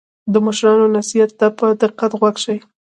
د مشرانو نصیحت ته په دقت غوږ شئ.